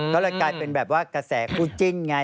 ก็เลยกลายเป็นแบบว่ากระแสคู่จิ้นไง